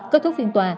kết thúc phiên tòa